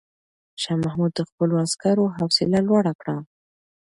شاه محمود د خپلو عسکرو حوصله لوړه کړه.